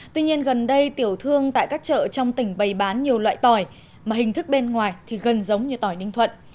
tuy nhiên gần đây tiểu thương tại các chợ trong tỉnh bày bán nhiều loại tỏi mà hình thức bên ngoài thì gần giống như tỏi ninh thuận